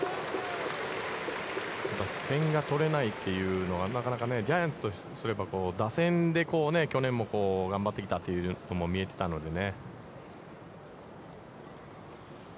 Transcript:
点が取れないというのがなかなかジャイアンツとすれば、打線で去年も頑張ってきたというのも見えてたのでね。